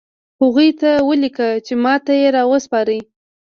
هغوی ته ولیکه چې ماته یې راوسپاري